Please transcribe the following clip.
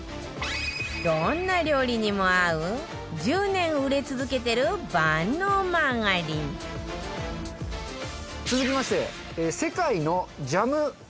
どんな料理にも合う１０年売れ続けてる万能マーガリン続きましてうわー！